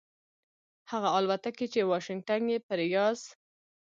هغه الوتکې چې واشنګټن یې پر ریاض